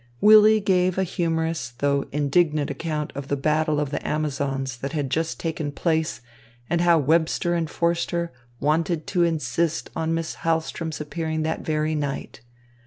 Willy gave a humorous, though indignant account of the battle of the Amazons that had just taken place and how Webster and Forster wanted to insist on Miss Hahlström's appearing that very night.